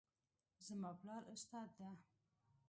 زما پلار استاد ده